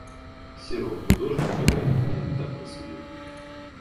Серов, художник, по крайней мере, так рассудил...